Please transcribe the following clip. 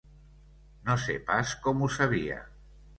No sé pas com ho sabia